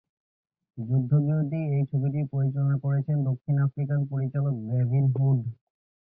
যুদ্ধবিরোধী এই ছবিটি পরিচালনা করেছেন দক্ষিণ আফ্রিকান পরিচালক গেভিন হুড।